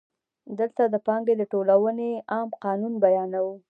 دلته د پانګې د ټولونې عام قانون بیانوو